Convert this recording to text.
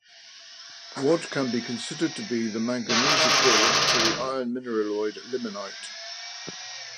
Wad can be considered to be the manganese equivalent to the iron mineraloid limonite.